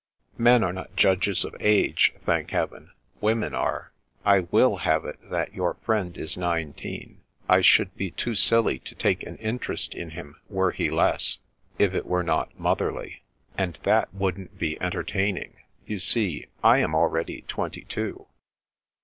"Men arc not judges of age, thank heaven. Women are. I will have it that your friend is nine teen. I should be too silly to take an interest in him, were he less, if it were not motherly; and that i8o The Princess Passes wouldn't be entertaining. You see, I am already twenty two."